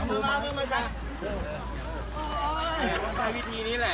กลับมาเมื่อเวลาเมื่อเวลา